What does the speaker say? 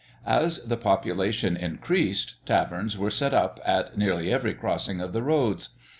As the population increased, taverns were set up at nearly every crossing of the roads.